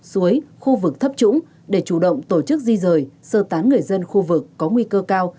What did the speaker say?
suối khu vực thấp trũng để chủ động tổ chức di rời sơ tán người dân khu vực có nguy cơ cao